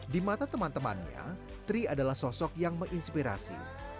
di mata teman temannya tri adalah sosok yang menginspirasi